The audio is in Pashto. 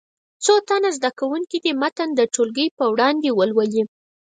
څو تنه زده کوونکي دې متن د ټولګي په وړاندې ولولي.